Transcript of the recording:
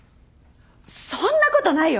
そんなことないよ。